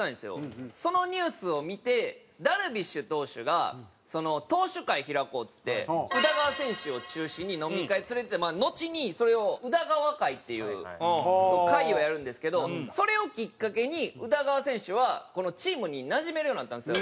そのニュースを見てダルビッシュ投手が投手会開こうっつって宇田川選手を中心に飲み会連れていってのちにそれを宇田川会っていう会をやるんですけどそれをきっかけに宇田川選手はチームになじめるようになったんですよ。